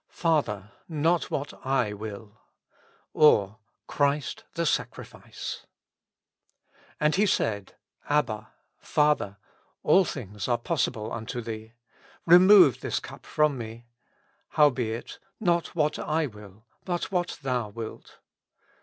Father ! not what I will ;»' or, Christ the Sac rifice. And He said^ Abba^ Father^ all things are possible unto Thee ; remove this ctip from me ; howbeit not zvhat I will ^ but xuhat Thou wilt.